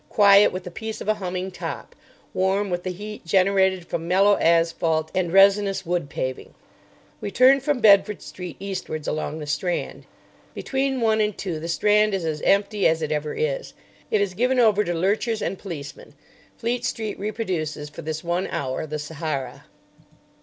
Quiet with the peace of a humming top; warm with the heat generated from mellow asphalt and resinous wood paving. We turned from Bedford Street eastwards along the Strand. Between one and two the Strand is as empty as it ever is. It is given over to lurchers and policemen. Fleet Street reproduces for this one hour the Sahara.